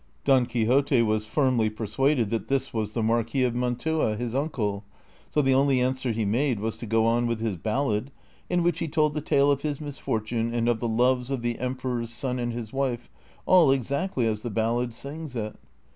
Don Quixote was firmly persuaded that this was the Marquis of Mautiia, his uncle, so the only answer he made was to go on with his ballad, in which he told the tale of his misfortune, and of the loves of the Emperor's son and his wife, all exactly as the ballad sings it.